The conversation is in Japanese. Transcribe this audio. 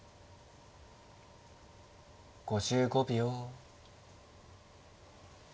５５秒。